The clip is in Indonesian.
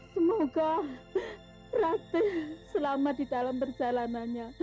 semoga rate selamat di dalam perjalanannya